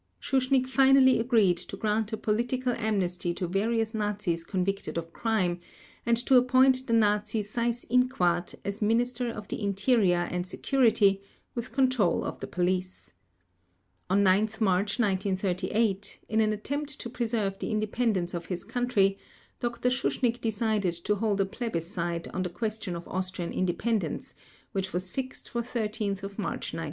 Schuschnigg finally agreed to grant a political amnesty to various Nazis convicted of crime, and to appoint the Nazi Seyss Inquart as Minister of the Interior and Security with control of the Police. On 9 March 1938, in an attempt to preserve the independence of his country, Dr. Schuschnigg decided to hold a plebiscite on the question of Austrian independence, which was fixed for 13 March 1938.